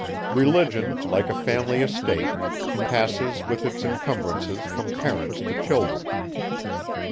Religion, like a family estate, passes, with its incumbrances, from parents to children.